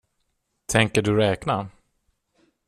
Tänker du räkna?